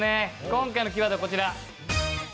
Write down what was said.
今回のキーワードはこちら。